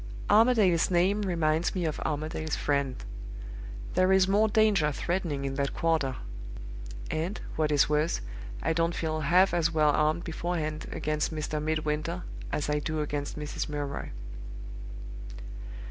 "Armadale's name reminds me of Armadale's friend. There is more danger threatening in that quarter; and, what is worse, I don't feel half as well armed beforehand against Mr. Midwinter as I do against Mrs. Milroy.